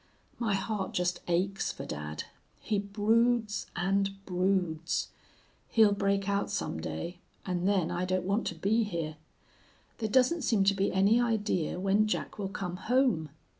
My heart just aches for dad. He broods and broods. He'll break out some day, and then I don't want to be here. There doesn't seem to be any idea when Jack will come home.